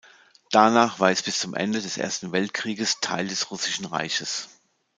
Danach war es bis zum Ende des Ersten Weltkrieges Teil des Russischen Reichs.